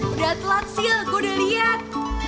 udah telat sisil gue udah liat